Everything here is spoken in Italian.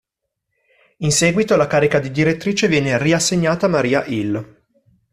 In seguito la carica di direttrice viene riassegnata a Maria Hill.